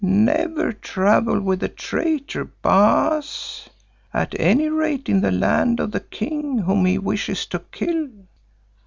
Never travel with a traitor, Baas, at any rate in the land of the king whom he wishes to kill.